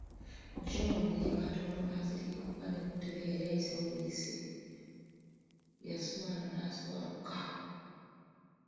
John ye katono azirike kuba ne ku ntebe ye yali ayiseewo buyisi, yaswala n’aswaluka.